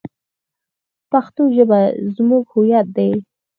پښتو ژبه زموږ هویت دی.